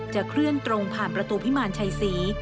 เคลื่อนตรงผ่านประตูพิมารชัยศรี